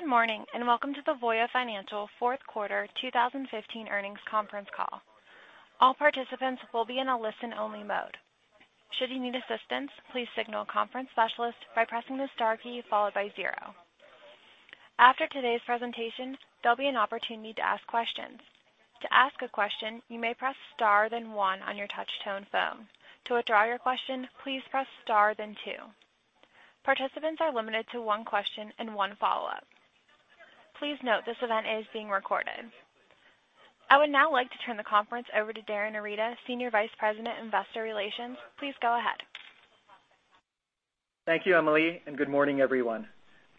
Good morning. Welcome to the Voya Financial fourth quarter 2015 earnings conference call. All participants will be in a listen only mode. Should you need assistance, please signal a conference specialist by pressing the star key followed by 0. After today's presentation, there'll be an opportunity to ask questions. To ask a question, you may press star then 1 on your touch tone phone. To withdraw your question, please press star then 2. Participants are limited to one question and one follow-up. Please note this event is being recorded. I would now like to turn the conference over to Darin Arita, Senior Vice President, Investor Relations. Please go ahead. Thank you, Emily. Good morning, everyone.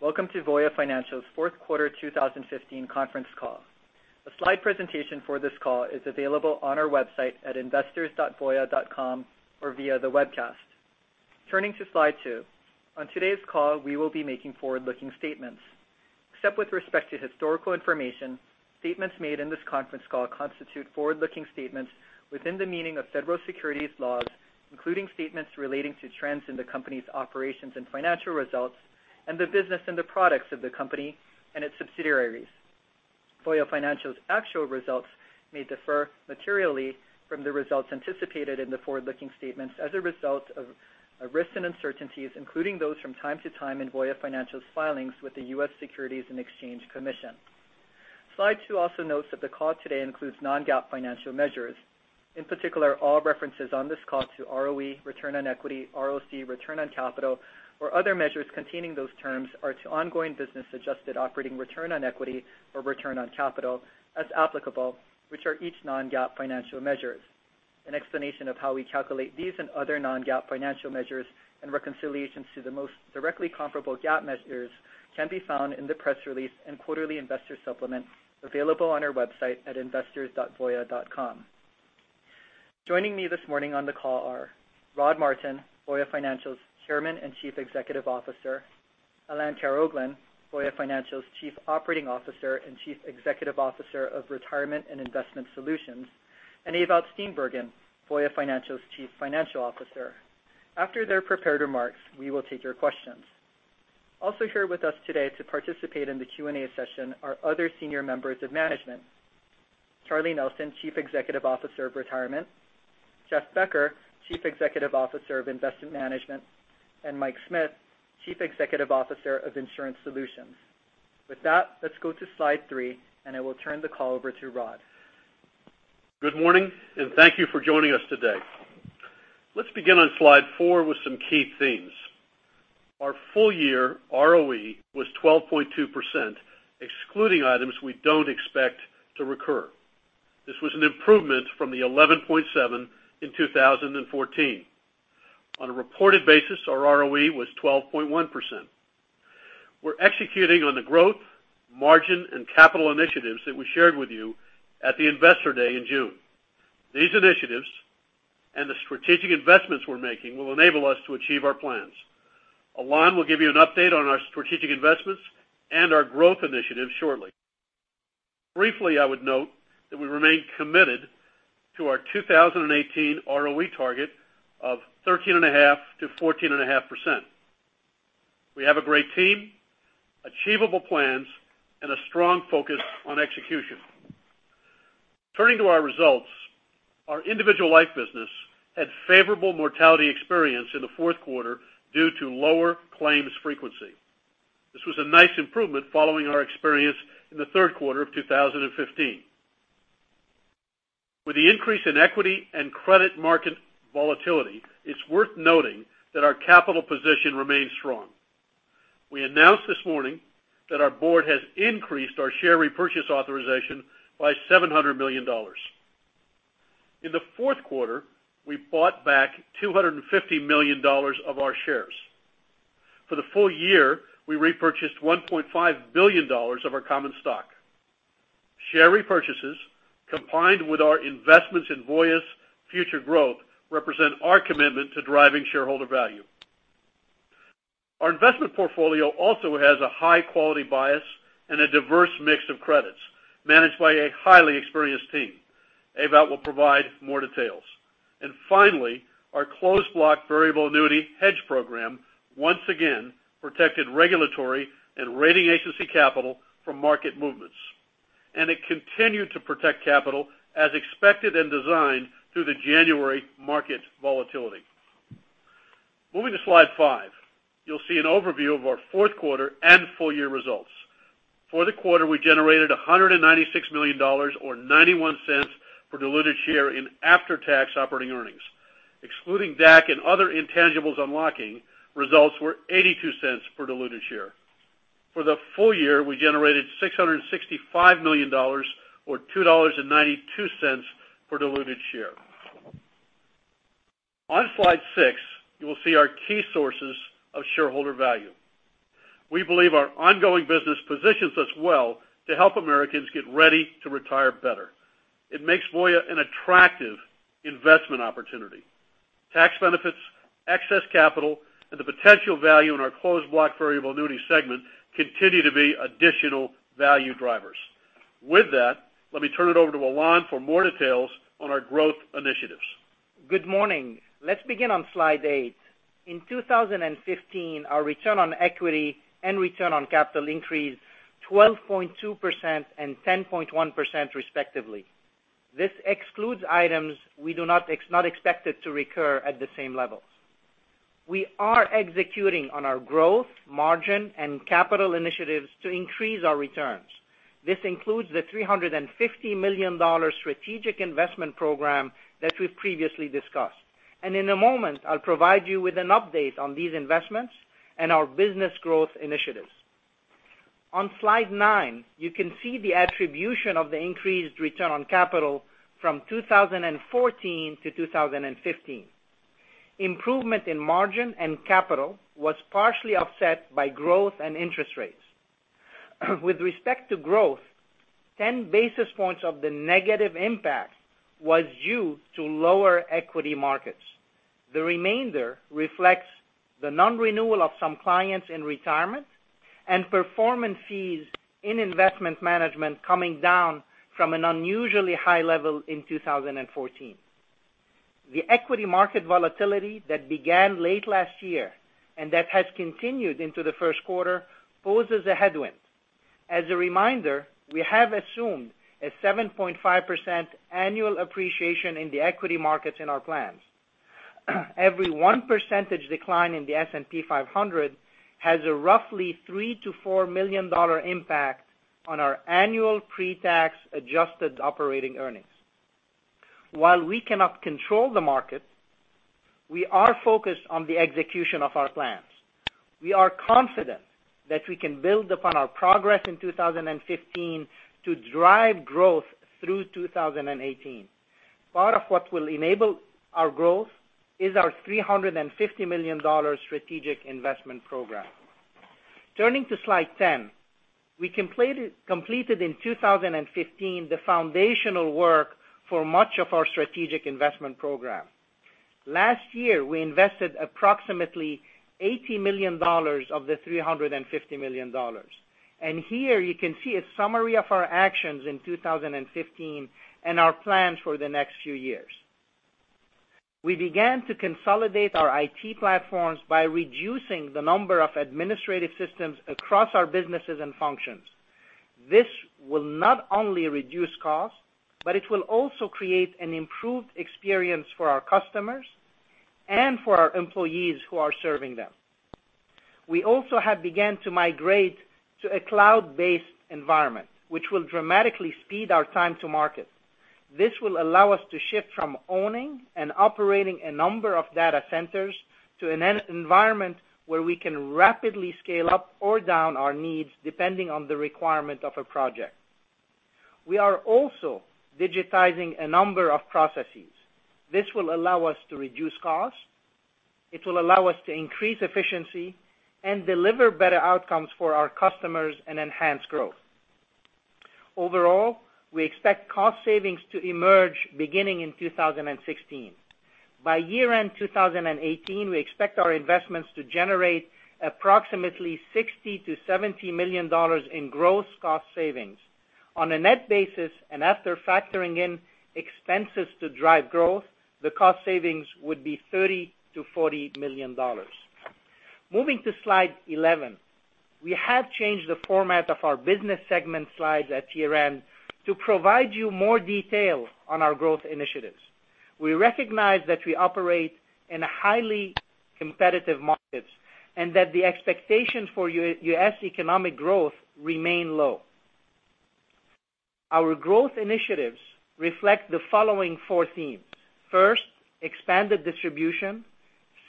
Welcome to Voya Financial's fourth quarter 2015 conference call. A slide presentation for this call is available on our website at investors.voya.com or via the webcast. Turning to slide two. On today's call, we will be making forward-looking statements. Except with respect to historical information, statements made in this conference call constitute forward-looking statements within the meaning of federal securities laws, including statements relating to trends in the company's operations and financial results and the business and the products of the company and its subsidiaries. Voya Financial's actual results may differ materially from the results anticipated in the forward-looking statements as a result of risks and uncertainties, including those from time to time in Voya Financial's filings with the U.S. Securities and Exchange Commission. Slide two also notes that the call today includes non-GAAP financial measures. In particular, all references on this call to ROE, return on equity, ROC, return on capital, or other measures containing those terms are to ongoing business adjusted operating return on equity or return on capital, as applicable, which are each non-GAAP financial measures. An explanation of how we calculate these and other non-GAAP financial measures and reconciliations to the most directly comparable GAAP measures can be found in the press release and quarterly investor supplement available on our website at investors.voya.com. Joining me this morning on the call are Rod Martin, Voya Financial's Chairman and Chief Executive Officer, Alain Karaoglan, Voya Financial's Chief Operating Officer and Chief Executive Officer of Retirement and Investment Solutions, and Ewout Steenbergen, Voya Financial's Chief Financial Officer. After their prepared remarks, we will take your questions. Also here with us today to participate in the Q&A session are other senior members of management, Charlie Nelson, Chief Executive Officer of Retirement, Jeff Becker, Chief Executive Officer of Investment Management, and Mike Smith, Chief Executive Officer of Insurance Solutions. With that, let's go to slide three. I will turn the call over to Rod. Good morning, and thank you for joining us today. Let's begin on slide four with some key themes. Our full year ROE was 12.2%, excluding items we don't expect to recur. This was an improvement from the 11.7% in 2014. On a reported basis, our ROE was 12.1%. We're executing on the growth, margin, and capital initiatives that we shared with you at the Investor Day in June. These initiatives and the strategic investments we're making will enable us to achieve our plans. Alain will give you an update on our strategic investments and our growth initiatives shortly. Briefly, I would note that we remain committed to our 2018 ROE target of 13.5%-14.5%. We have a great team, achievable plans, and a strong focus on execution. Turning to our results, our individual life business had favorable mortality experience in the fourth quarter due to lower claims frequency. This was a nice improvement following our experience in the third quarter of 2015. With the increase in equity and credit market volatility, it's worth noting that our capital position remains strong. We announced this morning that our board has increased our share repurchase authorization by $700 million. In the fourth quarter, we bought back $250 million of our shares. For the full year, we repurchased $1.5 billion of our common stock. Share repurchases, combined with our investments in Voya's future growth, represent our commitment to driving shareholder value. Our investment portfolio also has a high quality bias and a diverse mix of credits managed by a highly experienced team. Ewout will provide more details. Finally, our closed block variable annuity hedge program once again protected regulatory and rating agency capital from market movements. It continued to protect capital as expected and designed through the January market volatility. Moving to slide five, you'll see an overview of our fourth quarter and full year results. For the quarter, we generated $196 million, or $0.91 per diluted share in after-tax operating earnings. Excluding DAC and other intangibles unlocking, results were $0.82 per diluted share. For the full year, we generated $665 million, or $2.92 per diluted share. On slide six, you will see our key sources of shareholder value. We believe our ongoing business positions us well to help Americans get ready to retire better. It makes Voya an attractive investment opportunity. Tax benefits, excess capital, and the potential value in our closed block variable annuity segment continue to be additional value drivers. With that, let me turn it over to Alain for more details on our growth initiatives Good morning. Let's begin on slide eight. In 2015, our return on equity and return on capital increased 12.2% and 10.1%, respectively. This excludes items we do not expect it to recur at the same levels. We are executing on our growth, margin, and capital initiatives to increase our returns. This includes the $350 million strategic investment program that we've previously discussed. In a moment, I'll provide you with an update on these investments and our business growth initiatives. On slide nine, you can see the attribution of the increased return on capital from 2014 to 2015. Improvement in margin and capital was partially offset by growth and interest rates. With respect to growth, 10 basis points of the negative impact was due to lower equity markets. The remainder reflects the non-renewal of some clients in retirement and performance fees in investment management coming down from an unusually high level in 2014. The equity market volatility that began late last year, and that has continued into the first quarter, poses a headwind. As a reminder, we have assumed a 7.5% annual appreciation in the equity markets in our plans. Every one percentage decline in the S&P 500 has a roughly $3 million-$4 million impact on our annual pre-tax adjusted operating earnings. While we cannot control the market, we are focused on the execution of our plans. We are confident that we can build upon our progress in 2015 to drive growth through 2018. Part of what will enable our growth is our $350 million strategic investment program. Turning to slide 10. We completed in 2015 the foundational work for much of our strategic investment program. Last year, we invested approximately $80 million of the $350 million. Here you can see a summary of our actions in 2015 and our plans for the next few years. We began to consolidate our IT platforms by reducing the number of administrative systems across our businesses and functions. This will not only reduce costs, but it will also create an improved experience for our customers and for our employees who are serving them. We also have begun to migrate to a cloud-based environment, which will dramatically speed our time to market. This will allow us to shift from owning and operating a number of data centers to an environment where we can rapidly scale up or down our needs depending on the requirement of a project. We are also digitizing a number of processes. This will allow us to reduce costs, it will allow us to increase efficiency, and deliver better outcomes for our customers and enhance growth. Overall, we expect cost savings to emerge beginning in 2016. By year-end 2018, we expect our investments to generate approximately $60 million-$70 million in gross cost savings. On a net basis, after factoring in expenses to drive growth, the cost savings would be $30 million-$40 million. Moving to slide 11. We have changed the format of our business segment slides at year-end to provide you more detail on our growth initiatives. We recognize that we operate in highly competitive markets, and that the expectations for U.S. economic growth remain low. Our growth initiatives reflect the following four themes. First, expanded distribution.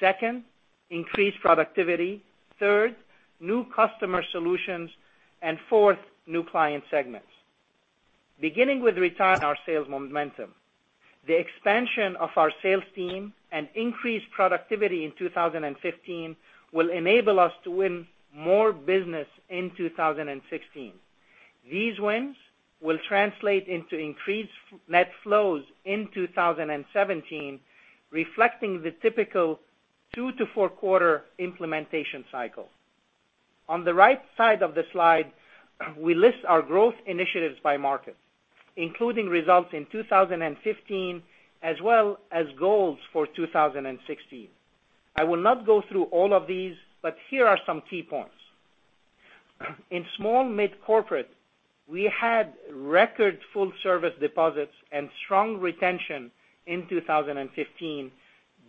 Second, increased productivity. Third, new customer solutions. Fourth, new client segments. Beginning with retirement, our sales momentum. The expansion of our sales team and increased productivity in 2015 will enable us to win more business in 2016. These wins will translate into increased net flows in 2017, reflecting the typical two to four quarter implementation cycle. On the right side of the slide, we list our growth initiatives by market, including results in 2015 as well as goals for 2016. I will not go through all of these, but here are some key points. In small-mid corporate, we had record full service deposits and strong retention in 2015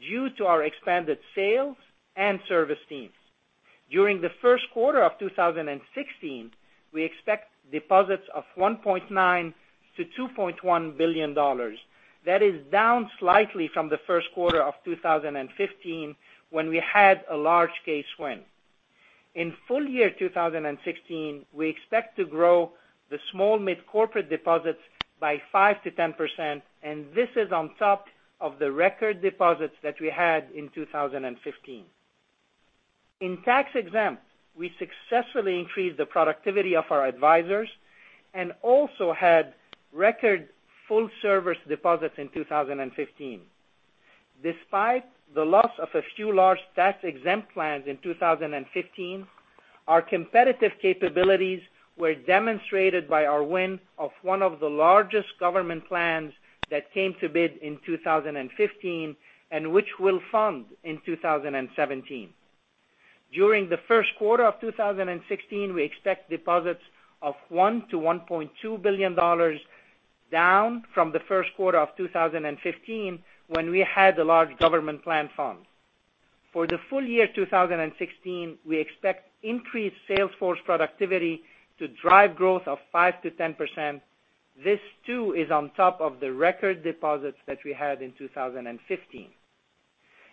due to our expanded sales and service teams. During the first quarter of 2016, we expect deposits of $1.9 billion-$2.1 billion. That is down slightly from the first quarter of 2015, when we had a large case win. In full year 2016, we expect to grow the small-mid corporate deposits by 5%-10%. This is on top of the record deposits that we had in 2015. In tax-exempt, we successfully increased the productivity of our advisors and also had record full service deposits in 2015. Despite the loss of a few large tax-exempt plans in 2015. Our competitive capabilities were demonstrated by our win of one of the largest government plans that came to bid in 2015, which will fund in 2017. During the first quarter of 2016, we expect deposits of $1 billion-$1.2 billion, down from the first quarter of 2015, when we had a large government plan fund. For the full year 2016, we expect increased sales force productivity to drive growth of 5%-10%. This too is on top of the record deposits that we had in 2015.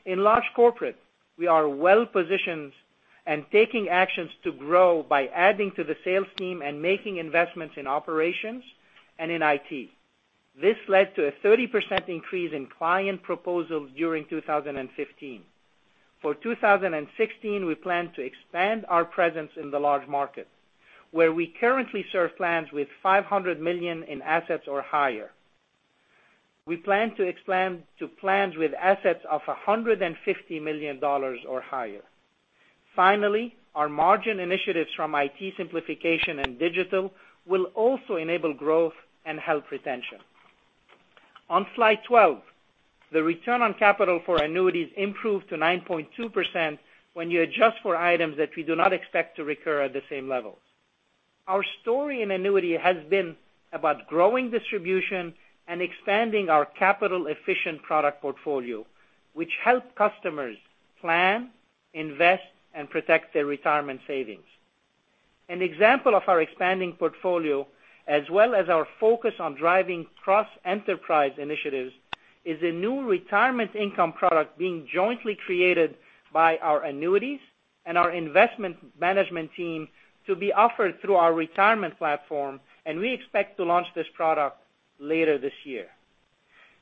In large corporate, we are well-positioned and taking actions to grow by adding to the sales team and making investments in operations and in IT. This led to a 30% increase in client proposals during 2015. For 2016, we plan to expand our presence in the large market, where we currently serve plans with $500 million in assets or higher. We plan to expand to plans with assets of $150 million or higher. Finally, our margin initiatives from IT simplification and digital will also enable growth and help retention. On slide 12, the return on capital for annuities improved to 9.2% when you adjust for items that we do not expect to recur at the same level. Our story in annuity has been about growing distribution and expanding our capital-efficient product portfolio, which help customers plan, invest, and protect their retirement savings. An example of our expanding portfolio, as well as our focus on driving cross-enterprise initiatives, is a new retirement income product being jointly created by our annuities and our Investment Management team to be offered through our retirement platform. We expect to launch this product later this year.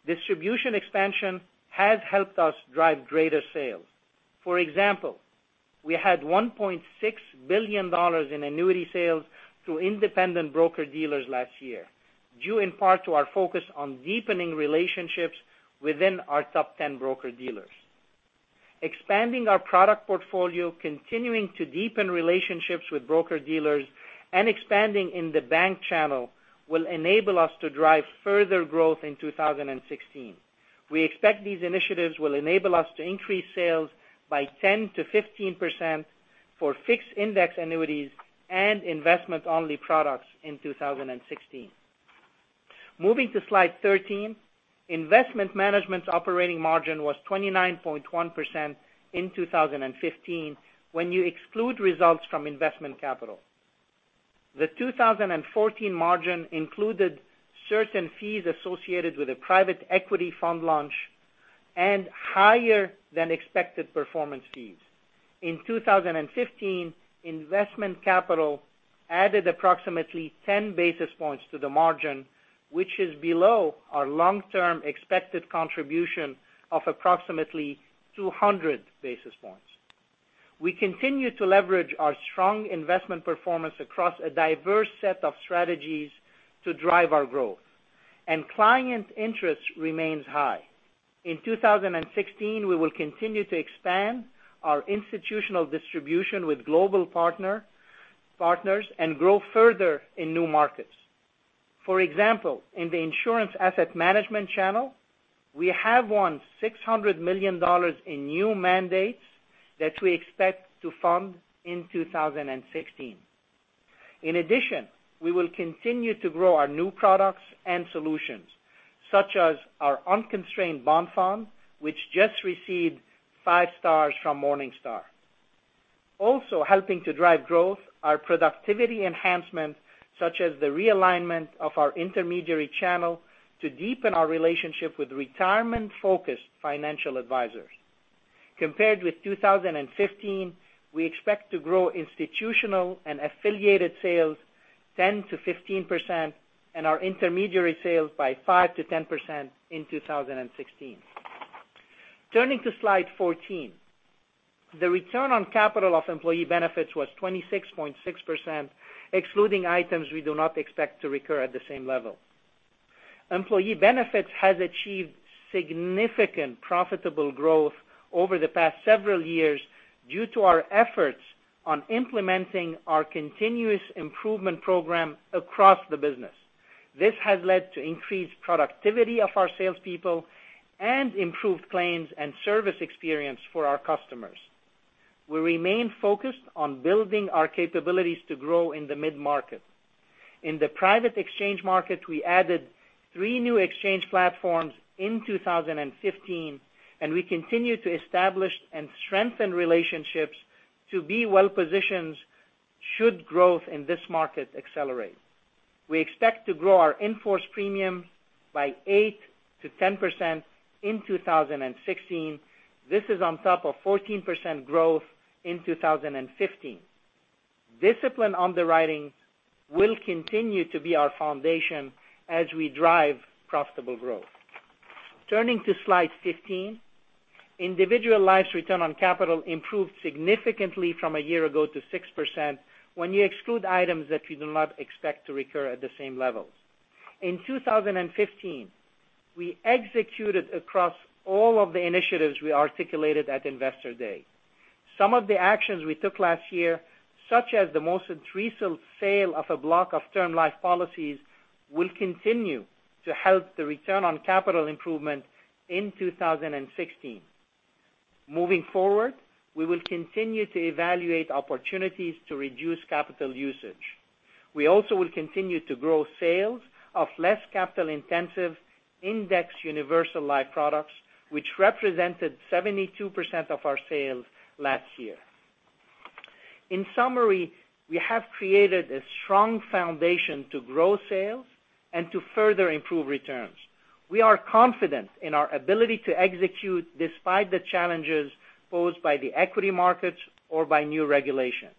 Distribution expansion has helped us drive greater sales. For example, we had $1.6 billion in annuity sales through independent broker-dealers last year, due in part to our focus on deepening relationships within our top 10 broker-dealers. Expanding our product portfolio, continuing to deepen relationships with broker-dealers, expanding in the bank channel will enable us to drive further growth in 2016. We expect these initiatives will enable us to increase sales by 10%-15% for fixed index annuities and investment-only products in 2016. Moving to slide 13. Investment Management's operating margin was 29.1% in 2015, when you exclude results from investment capital. The 2014 margin included certain fees associated with a private equity fund launch and higher than expected performance fees. In 2015, investment capital added approximately 10 basis points to the margin, which is below our long-term expected contribution of approximately 200 basis points. We continue to leverage our strong investment performance across a diverse set of strategies to drive our growth. Client interest remains high. In 2016, we will continue to expand our institutional distribution with global partners and grow further in new markets. For example, in the insurance asset management channel, we have won $600 million in new mandates that we expect to fund in 2016. In addition, we will continue to grow our new products and solutions, such as our unconstrained bond fund, which just received five stars from Morningstar. Also helping to drive growth are productivity enhancements such as the realignment of our intermediary channel to deepen our relationship with retirement-focused financial advisors. Compared with 2015, we expect to grow institutional and affiliated sales 10% to 15% and our intermediary sales by 5% to 10% in 2016. Turning to slide 14. The return on capital of employee benefits was 26.6%, excluding items we do not expect to recur at the same level. Employee benefits has achieved significant profitable growth over the past several years due to our efforts on implementing our continuous improvement program across the business. This has led to increased productivity of our salespeople and improved claims and service experience for our customers. We remain focused on building our capabilities to grow in the mid-market. In the private exchange market, we added three new exchange platforms in 2015, and we continue to establish and strengthen relationships to be well-positioned, should growth in this market accelerate. We expect to grow our in-force premiums by 8% to 10% in 2016. This is on top of 14% growth in 2015. Disciplined underwriting will continue to be our foundation as we drive profitable growth. Turning to slide 15. Individual lives return on capital improved significantly from a year ago to 6%, when you exclude items that we do not expect to recur at the same level. In 2015, we executed across all of the initiatives we articulated at Investor Day. Some of the actions we took last year, such as the most recent sale of a block of term life policies, will continue to help the return on capital improvement in 2016. Moving forward, we will continue to evaluate opportunities to reduce capital usage. We also will continue to grow sales of less capital-intensive indexed universal life products, which represented 72% of our sales last year. In summary, we have created a strong foundation to grow sales and to further improve returns. We are confident in our ability to execute despite the challenges posed by the equity markets or by new regulations.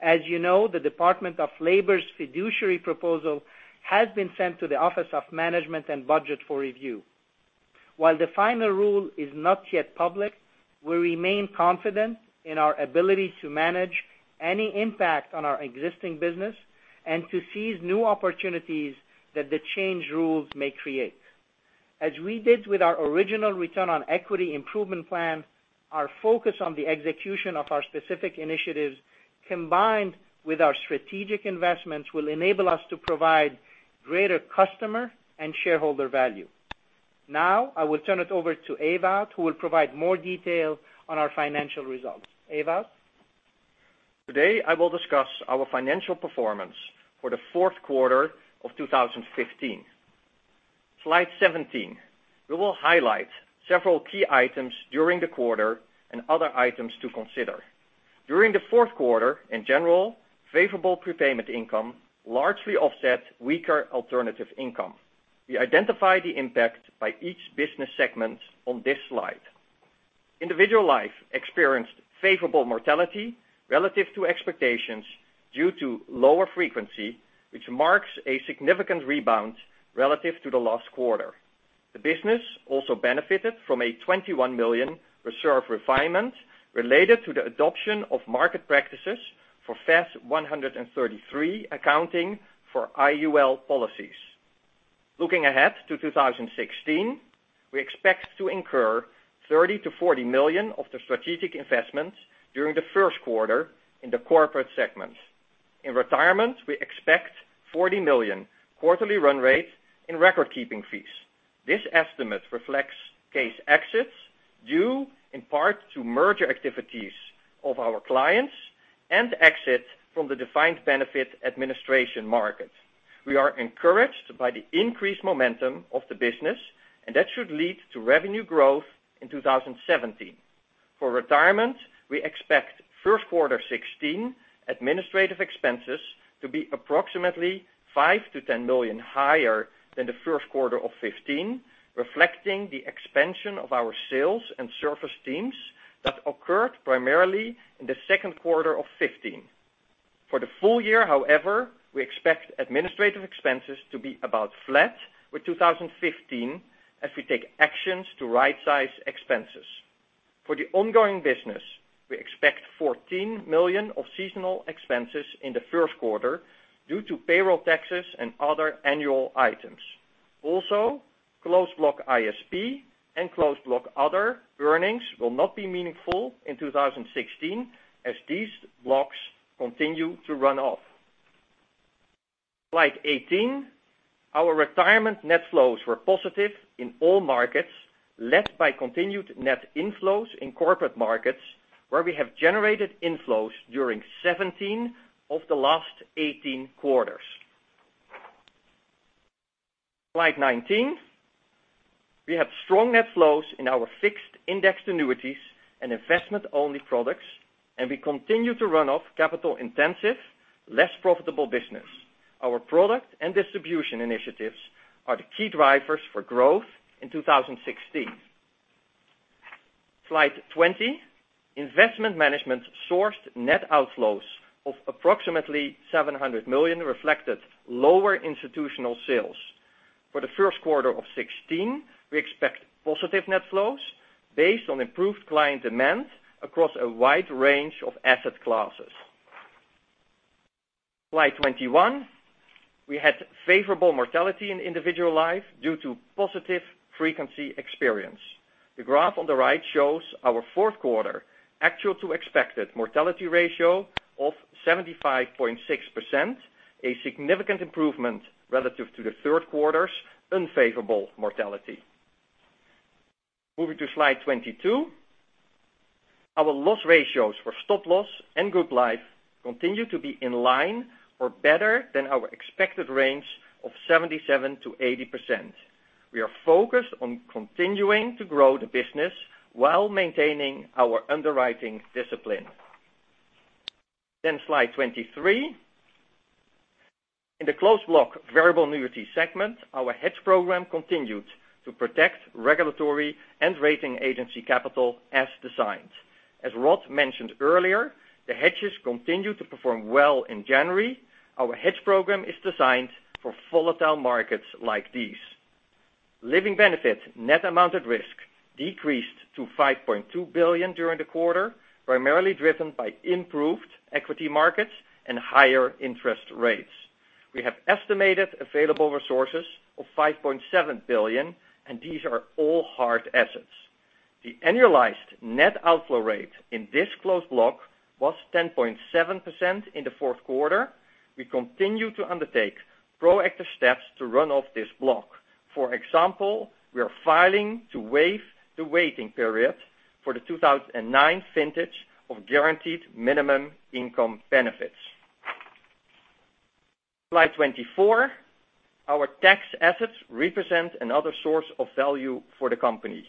As you know, the Department of Labor's fiduciary proposal has been sent to the Office of Management and Budget for review. While the final rule is not yet public, we remain confident in our ability to manage any impact on our existing business and to seize new opportunities that the change rules may create. As we did with our original return on equity improvement plan, our focus on the execution of our specific initiatives, combined with our strategic investments, will enable us to provide greater customer and shareholder value. I will turn it over to Ewout, who will provide more detail on our financial results. Ewout? Today, I will discuss our financial performance for the fourth quarter of 2015. Slide 17. We will highlight several key items during the quarter and other items to consider. During the fourth quarter, in general, favorable prepayment income largely offset weaker alternative income. We identify the impact by each business segment on this slide. Individual life experienced favorable mortality relative to expectations due to lower frequency, which marks a significant rebound relative to the last quarter. The business also benefited from a $21 million reserve refinement related to the adoption of market practices for FAS 133 accounting for IUL policies. Looking ahead to 2016, we expect to incur $30 million to $40 million of the strategic investments during the first quarter in the corporate segment. In retirement, we expect $40 million quarterly run rate in record-keeping fees. This estimate reflects case exits due in part to merger activities of our clients and exits from the defined benefit administration market. We are encouraged by the increased momentum of the business, that should lead to revenue growth in 2017. For retirement, we expect first quarter 2016 administrative expenses to be approximately $5 million to $10 million higher than the first quarter of 2015, reflecting the expansion of our sales and service teams that occurred primarily in the second quarter of 2015. For the full year, however, we expect administrative expenses to be about flat with 2015 as we take actions to rightsize expenses. For the ongoing business, we expect $14 million of seasonal expenses in the first quarter due to payroll taxes and other annual items. Closed block ISP and closed block other earnings will not be meaningful in 2016 as these blocks continue to run off. Slide 18. Our retirement net flows were positive in all markets, led by continued net inflows in corporate markets, where we have generated inflows during 17 of the last 18 quarters. Slide 19. We have strong net flows in our fixed indexed annuities and investment-only products, we continue to run off capital-intensive, less profitable business. Our product and distribution initiatives are the key drivers for growth in 2016. Slide 20. Investment Management sourced net outflows of approximately $700 million, reflected lower institutional sales. For the first quarter of 2016, we expect positive net flows based on improved client demand across a wide range of asset classes. Slide 21. We had favorable mortality in individual life due to positive frequency experience. The graph on the right shows our fourth quarter actual to expected mortality ratio of 75.6%, a significant improvement relative to the third quarter's unfavorable mortality. Moving to slide 22. Our loss ratios for stop loss and group life continue to be in line or better than our expected range of 77%-80%. We are focused on continuing to grow the business while maintaining our underwriting discipline. Slide 23. In the closed block variable annuity segment, our hedge program continued to protect regulatory and rating agency capital as designed. As Rod mentioned earlier, the hedges continued to perform well in January. Our hedge program is designed for volatile markets like these. Living benefit net amount at risk decreased to $5.2 billion during the quarter, primarily driven by improved equity markets and higher interest rates. We have estimated available resources of $5.7 billion, and these are all hard assets. The annualized net outflow rate in this closed block was 10.7% in the fourth quarter. We continue to undertake proactive steps to run off this block. For example, we are filing to waive the waiting period for the 2009 vintage of guaranteed minimum income benefits. Slide 24. Our tax assets represent another source of value for the company.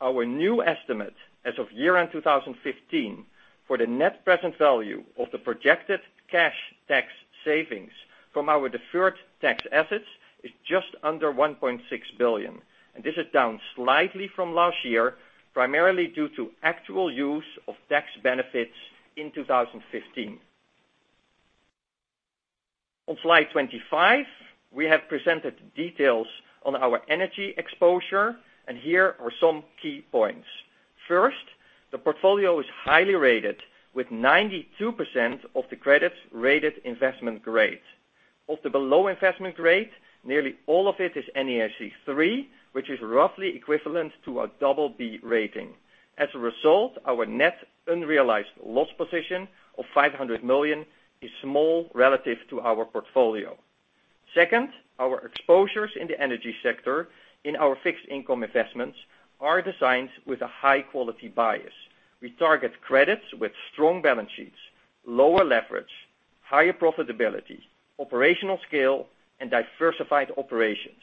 Our new estimate as of year-end 2015, for the net present value of the projected cash tax savings from our deferred tax assets, is just under $1.6 billion. This is down slightly from last year, primarily due to actual use of tax benefits in 2015. On slide 25, we have presented details on our energy exposure, and here are some key points. First, the portfolio is highly rated, with 92% of the credits rated investment grade. Of the below investment grade, nearly all of it is NAIC 3, which is roughly equivalent to a double B rating. As a result, our net unrealized loss position of $500 million is small relative to our portfolio. Second, our exposures in the energy sector in our fixed income investments are designed with a high quality bias. We target credits with strong balance sheets, lower leverage, higher profitability, operational scale, and diversified operations.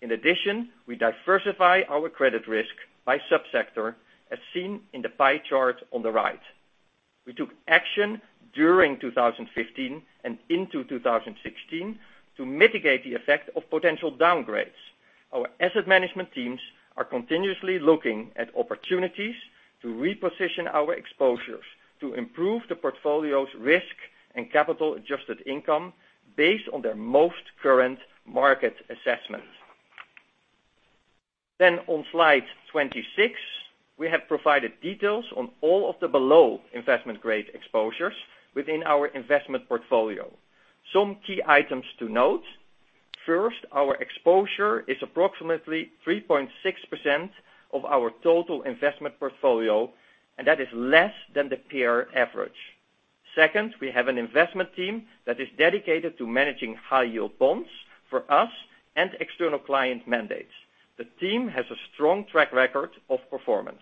In addition, we diversify our credit risk by sub-sector, as seen in the pie chart on the right. We took action during 2015 and into 2016 to mitigate the effect of potential downgrades. Our asset management teams are continuously looking at opportunities to reposition our exposures to improve the portfolio's risk and capital adjusted income based on their most current market assessment. On slide 26, we have provided details on all of the below investment grade exposures within our investment portfolio. Some key items to note. First, our exposure is approximately 3.6% of our total investment portfolio, and that is less than the peer average. Second, we have an investment team that is dedicated to managing high yield bonds for us and external client mandates. The team has a strong track record of performance.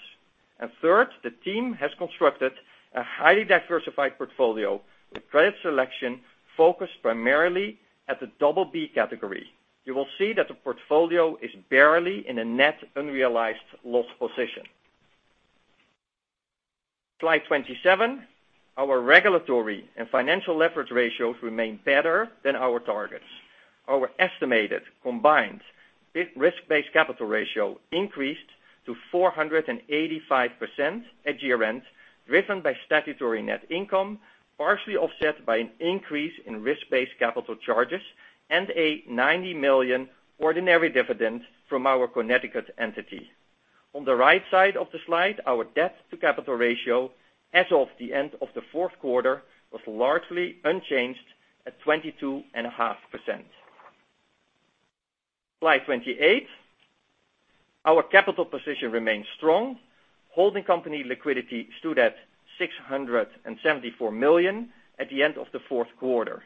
Third, the team has constructed a highly diversified portfolio with credit selection focused primarily at the double B category. You will see that the portfolio is barely in a net unrealized loss position. Slide 27. Our regulatory and financial leverage ratios remain better than our targets. Our estimated combined risk-based capital ratio increased to 485% at year-end, driven by statutory net income, partially offset by an increase in risk-based capital charges and a $90 million ordinary dividend from our Connecticut entity. On the right side of the slide, our debt to capital ratio, as of the end of the fourth quarter, was largely unchanged at 22.5%. Slide 28. Our capital position remains strong. Holding company liquidity stood at $674 million at the end of the fourth quarter.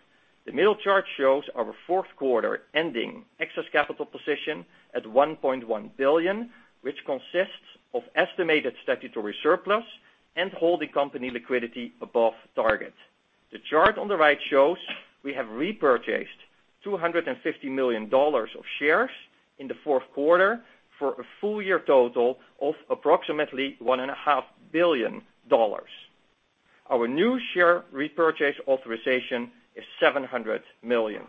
The middle chart shows our fourth quarter ending excess capital position at $1.1 billion, which consists of estimated statutory surplus and holding company liquidity above target. The chart on the right shows we have repurchased $250 million of shares in the fourth quarter, for a full year total of approximately $1.5 billion. Our new share repurchase authorization is $700 million.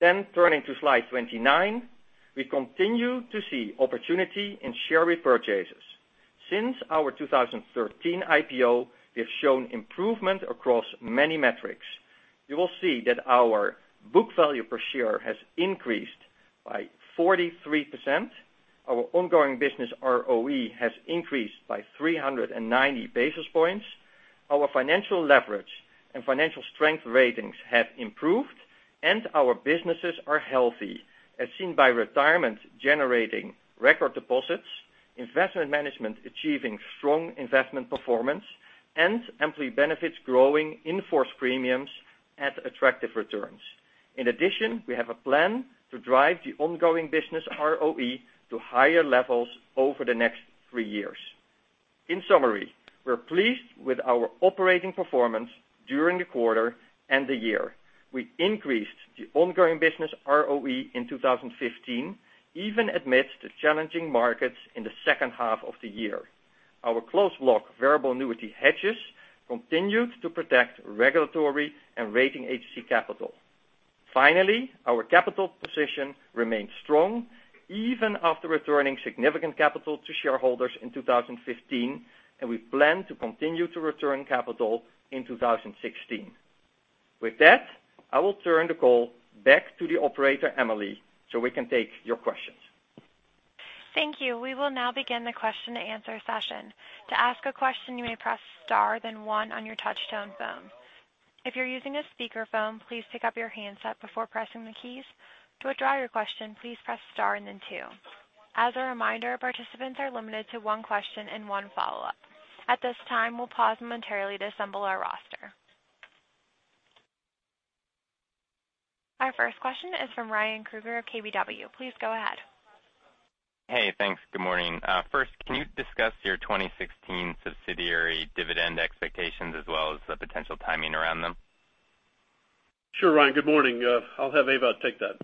Turning to slide 29. We continue to see opportunity in share repurchases. Since our 2013 IPO, we have shown improvement across many metrics. You will see that our book value per share has increased by 43%. Our ongoing business ROE has increased by 390 basis points. Our financial leverage and financial strength ratings have improved, and our businesses are healthy, as seen by retirement generating record deposits, investment management achieving strong investment performance, and employee benefits growing in force premiums at attractive returns. In addition, we have a plan to drive the ongoing business ROE to higher levels over the next three years. In summary, we're pleased with our operating performance during the quarter and the year. We increased the ongoing business ROE in 2015, even amidst the challenging markets in the second half of the year. Our closed block variable annuity hedges continued to protect regulatory and rating agency capital. Finally, our capital position remains strong, even after returning significant capital to shareholders in 2015, and we plan to continue to return capital in 2016. With that, I will turn the call back to the operator, Emily, so we can take your questions. Thank you. We will now begin the question and answer session. To ask a question, you may press star then one on your touchtone phone. If you're using a speakerphone, please pick up your handset before pressing the keys. To withdraw your question, please press star and then two. As a reminder, participants are limited to one question and one follow-up. At this time, we'll pause momentarily to assemble our roster. Our first question is from Ryan Krueger of KBW. Please go ahead. Hey, thanks. Good morning. First, can you discuss your 2016 subsidiary dividend expectations as well as the potential timing around them? Sure, Ryan. Good morning. I'll have Ewout take that.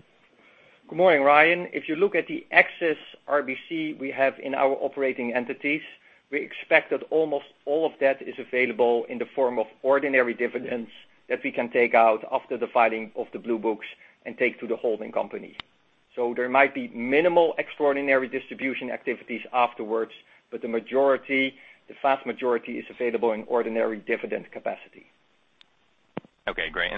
Good morning, Ryan. If you look at the excess RBC we have in our operating entities, we expect that almost all of that is available in the form of ordinary dividends that we can take out after the filing of the Blue Books and take to the holding company. There might be minimal extraordinary distribution activities afterwards, but the vast majority is available in ordinary dividend capacity. Okay, great.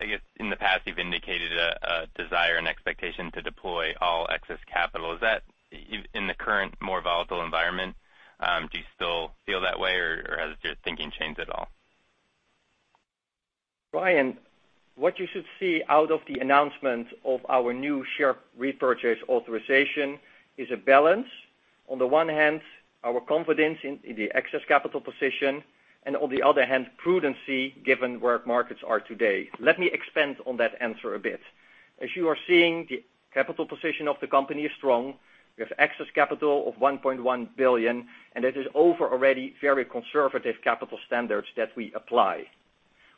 I guess in the past, you've indicated a desire and expectation to deploy all excess capital. In the current, more volatile environment, do you still feel that way or has your thinking changed at all? Ryan, what you should see out of the announcement of our new share repurchase authorization is a balance. On the one hand, our confidence in the excess capital position and on the other hand, prudency, given where markets are today. Let me expand on that answer a bit. As you are seeing, the capital position of the company is strong. We have excess capital of $1.1 billion, and it is over already very conservative capital standards that we apply.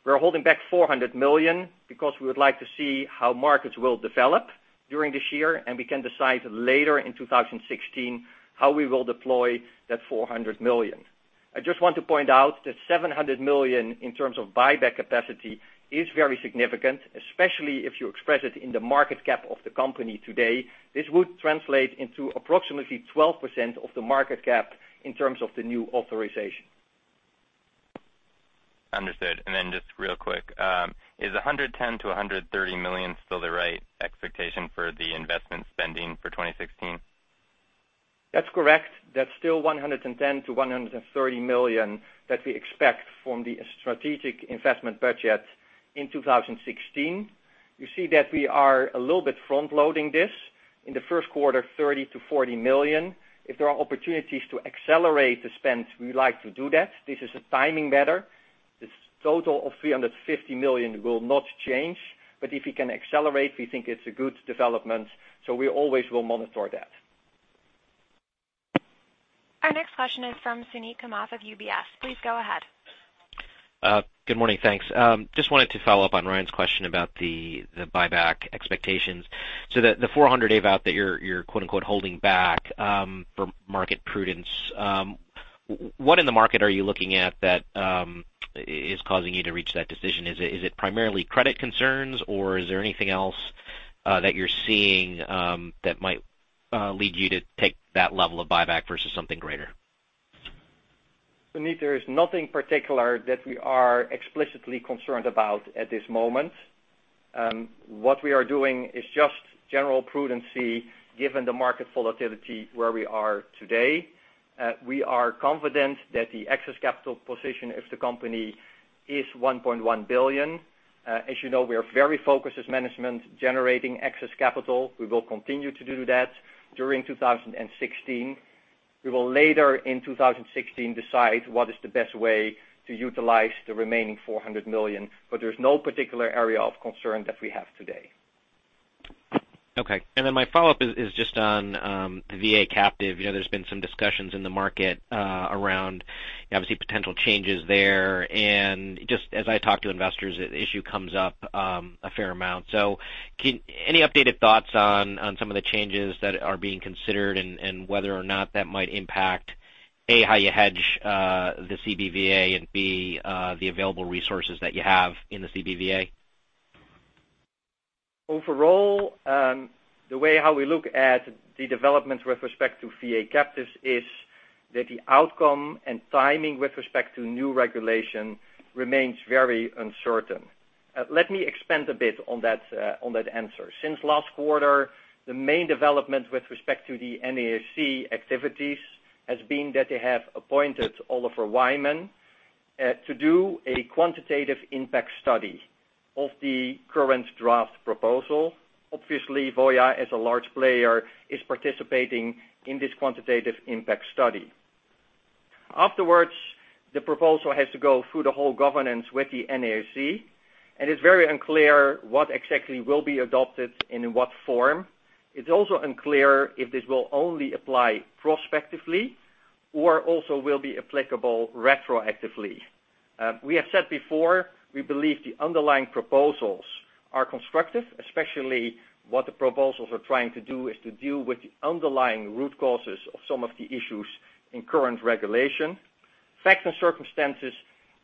We're holding back $400 million because we would like to see how markets will develop during this year, and we can decide later in 2016 how we will deploy that $400 million. I just want to point out that $700 million in terms of buyback capacity is very significant, especially if you express it in the market cap of the company today. This would translate into approximately 12% of the market cap in terms of the new authorization. Understood. Just real quick, is $110 million-$130 million still the right expectation for the investment spending for 2016? That's correct. That's still $110 million-$130 million that we expect from the strategic investment budget in 2016. You see that we are a little bit front-loading this. In the first quarter, $30 million-$40 million. If there are opportunities to accelerate the spend, we would like to do that. This is a timing matter. This total of $350 million will not change. If we can accelerate, we think it's a good development, we always will monitor that. Our next question is from Suneet Kamath of UBS. Please go ahead. Good morning. Thanks. Just wanted to follow up on Ryan's question about the buyback expectations. The $400 million, Ewout, that you're "holding back" for market prudence. What in the market are you looking at that is causing you to reach that decision? Is it primarily credit concerns, or is there anything else that you're seeing that might lead you to take that level of buyback versus something greater? Suneet, there is nothing particular that we are explicitly concerned about at this moment. What we are doing is just general prudency, given the market volatility where we are today. We are confident that the excess capital position of the company is $1.1 billion. As you know, we are very focused as management generating excess capital. We will continue to do that during 2016. We will later in 2016 decide what is the best way to utilize the remaining $400 million, there's no particular area of concern that we have today. My follow-up is just on the VA captive. There's been some discussions in the market around, obviously, potential changes there. Just as I talk to investors, the issue comes up a fair amount. Any updated thoughts on some of the changes that are being considered and whether or not that might impact, A, how you hedge the CBVA and B, the available resources that you have in the CBVA? Overall, the way how we look at the developments with respect to VA captives is that the outcome and timing with respect to new regulation remains very uncertain. Let me expand a bit on that answer. Since last quarter, the main development with respect to the NAIC activities has been that they have appointed Oliver Wyman to do a quantitative impact study of the current draft proposal. Obviously, Voya, as a large player, is participating in this quantitative impact study. Afterwards, the proposal has to go through the whole governance with the NAIC. It's very unclear what exactly will be adopted in what form. It's also unclear if this will only apply prospectively or also will be applicable retroactively. We have said before, we believe the underlying proposals are constructive, especially what the proposals are trying to do is to deal with the underlying root causes of some of the issues in current regulation. Facts and circumstances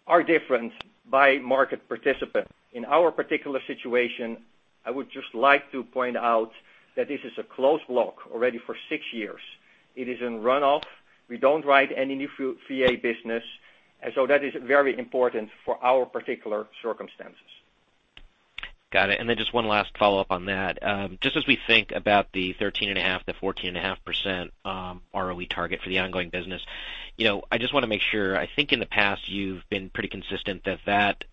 are different by market participant. In our particular situation, I would just like to point out that this is a closed block already for six years. It is in run-off. We don't write any new VA business. That is very important for our particular circumstances. Got it. Just one last follow-up on that. Just as we think about the 13.5%-14.5% ROE target for the ongoing business, I just want to make sure. I think in the past, you've been pretty consistent that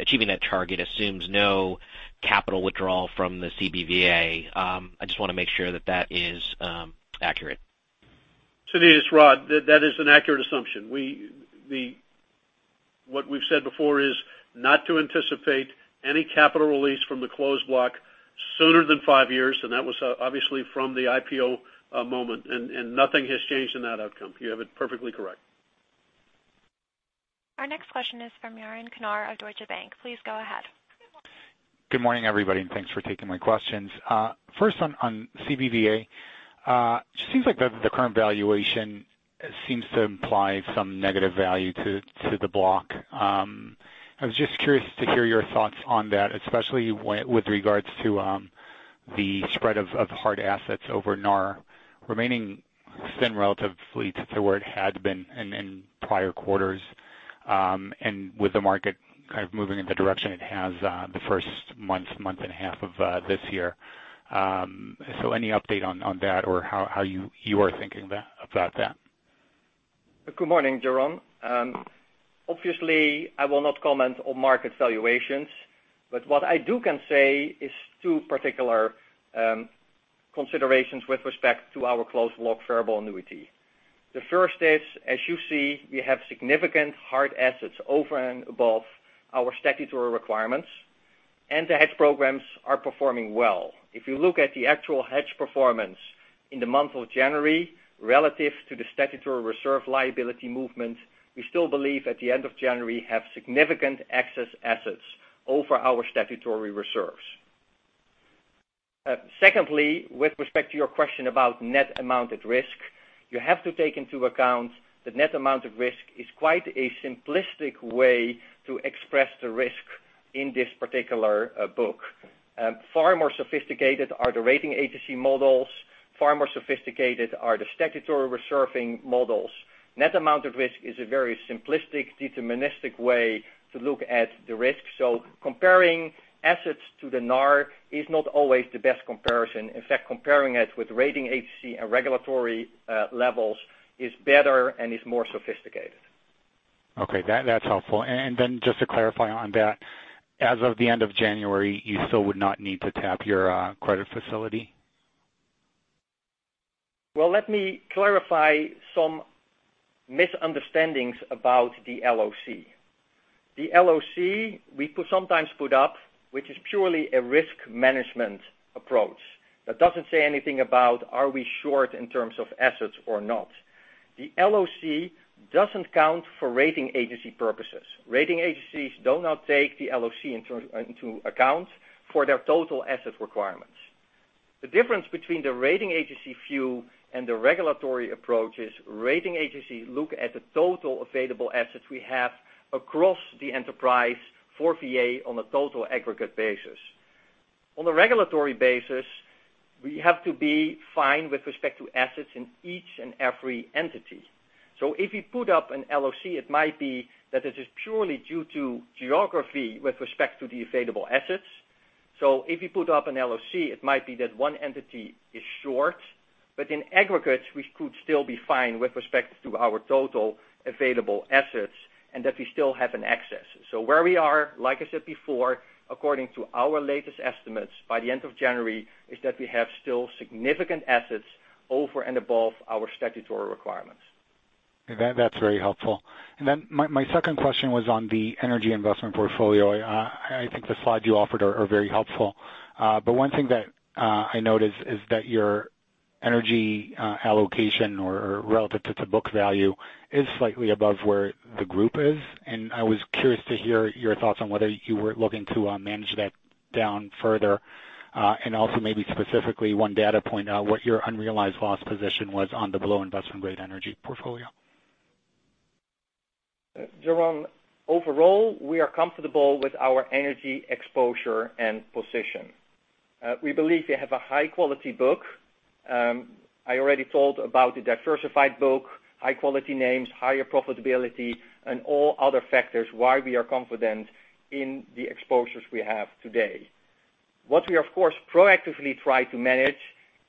achieving that target assumes no capital withdrawal from the CBVA. I just want to make sure that is accurate. Suneet, it's Rod. That is an accurate assumption. What we've said before is not to anticipate any capital release from the closed block sooner than five years, and that was obviously from the IPO moment, and nothing has changed in that outcome. You have it perfectly correct. Our next question is from Yaron Carr of Deutsche Bank. Please go ahead. Good morning, everybody. Thanks for taking my questions. First on CBVA. Just seems like the current valuation seems to imply some negative value to the block. I was just curious to hear your thoughts on that, especially with regards to the spread of hard assets over NAR remaining relatively to where it had been in prior quarters, and with the market kind of moving in the direction it has the first month and a half of this year. Any update on that or how you are thinking about that? Good morning, Yaron. What I do can say is two particular considerations with respect to our closed block variable annuity. The first is, as you see, we have significant hard assets over and above our statutory requirements, and the hedge programs are performing well. If you look at the actual hedge performance in the month of January relative to the statutory reserve liability movement, we still believe at the end of January have significant excess assets over our statutory reserves. Secondly, with respect to your question about net amount of risk, you have to take into account that net amount of risk is quite a simplistic way to express the risk in this particular book. Far more sophisticated are the rating agency models. Far more sophisticated are the statutory reserving models. Net amount of risk is a very simplistic, deterministic way to look at the risk. Comparing assets to the NAR is not always the best comparison. In fact, comparing it with rating agency and regulatory levels is better and is more sophisticated. Okay. That's helpful. Just to clarify on that, as of the end of January, you still would not need to tap your credit facility? Well, let me clarify some misunderstandings about the LOC. The LOC we could sometimes put up, which is purely a risk management approach. That doesn't say anything about are we short in terms of assets or not. The LOC doesn't count for rating agency purposes. Rating agencies do not take the LOC into account for their total asset requirements. The difference between the rating agency view and the regulatory approach is rating agencies look at the total available assets we have across the enterprise for VA on a total aggregate basis. On a regulatory basis, we have to be fine with respect to assets in each and every entity. If we put up an LOC, it might be that it is purely due to geography with respect to the available assets. If we put up an LOC, it might be that one entity is short, but in aggregate, we could still be fine with respect to our total available assets and that we still have an excess. Where we are, like I said before, according to our latest estimates by the end of January, is that we have still significant assets over and above our statutory requirements. That's very helpful. My second question was on the energy investment portfolio. I think the slide you offered are very helpful. One thing that I noticed is that your energy allocation or relative to book value is slightly above where the group is, and I was curious to hear your thoughts on whether you were looking to manage that down further. Also maybe specifically one data point, what your unrealized loss position was on the below investment grade energy portfolio. Yaron, overall, we are comfortable with our energy exposure and position. We believe we have a high-quality book. I already told about the diversified book, high-quality names, higher profitability, and all other factors why we are confident in the exposures we have today. What we, of course, proactively try to manage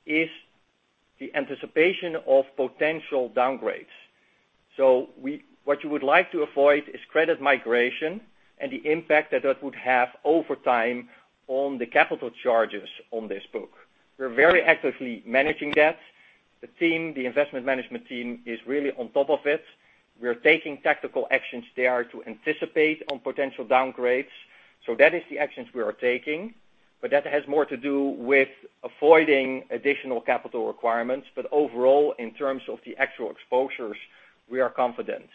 is the anticipation of potential downgrades. What you would like to avoid is credit migration and the impact that that would have over time on the capital charges on this book. We are very actively managing that. The investment management team is really on top of it. We are taking tactical actions there to anticipate on potential downgrades. That is the actions we are taking. Overall, in terms of the actual exposures, we are confident.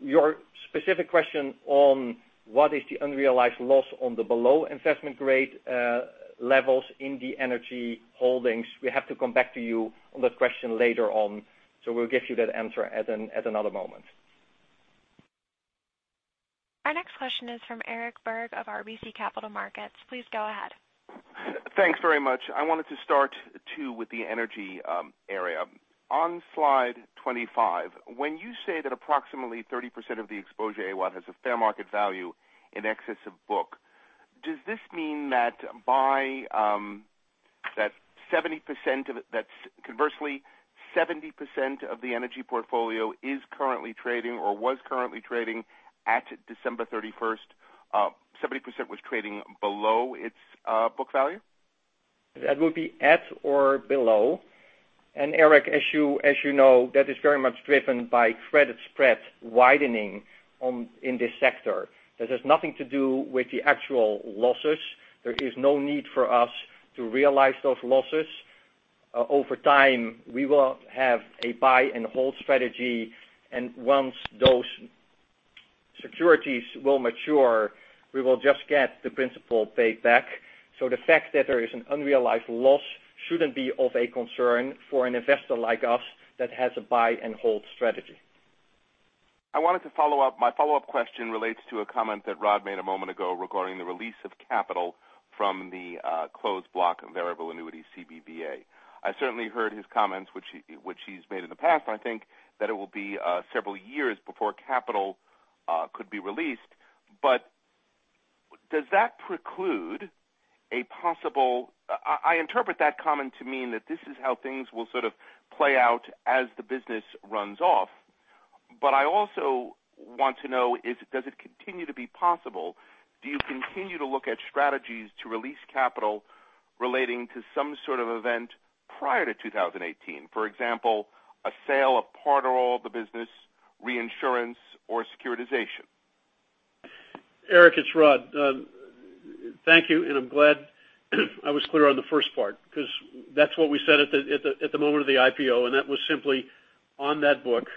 Your specific question on what is the unrealized loss on the below investment grade levels in the energy holdings, we have to come back to you on that question later on. We'll give you that answer at another moment. Next question is from Eric Berg of RBC Capital Markets. Please go ahead. Thanks very much. I wanted to start too with the energy area. On slide 25, when you say that approximately 30% of the exposure after-tax has a fair market value in excess of book, does this mean that, conversely, 70% of the energy portfolio is currently trading or was currently trading at December 31st, 70% was trading below its book value? That would be at or below. Eric, as you know, that is very much driven by credit spread widening in this sector. That has nothing to do with the actual losses. There is no need for us to realize those losses. Over time, we will have a buy and hold strategy, and once those securities will mature, we will just get the principal paid back. The fact that there is an unrealized loss shouldn't be of a concern for an investor like us that has a buy and hold strategy. I wanted to follow up. My follow-up question relates to a comment that Rod made a moment ago regarding the release of capital from the closed block variable annuity, CBVA. I certainly heard his comments which he's made in the past, and I think that it will be several years before capital could be released. Does that preclude a possible? I interpret that comment to mean that this is how things will sort of play out as the business runs off. I also want to know, does it continue to be possible? Do you continue to look at strategies to release capital relating to some sort of event prior to 2018? For example, a sale of part or all the business reinsurance or securitization. Eric, it's Rod. Thank you. I'm glad I was clear on the first part because that's what we said at the moment of the IPO, and that was simply on that book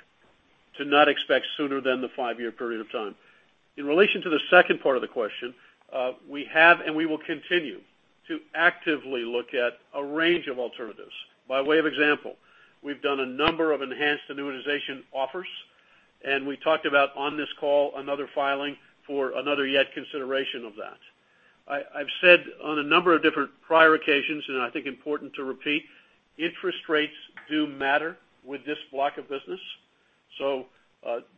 to not expect sooner than the five-year period of time. In relation to the second part of the question, we have, and we will continue to actively look at a range of alternatives. By way of example, we've done a number of enhanced annuitization offers, and we talked about on this call another filing for another yet consideration of that. I've said on a number of different prior occasions, and I think important to repeat, interest rates do matter with this block of business.